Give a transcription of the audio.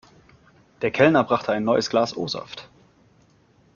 Der Kellner brachte ein neues Glas O-Saft.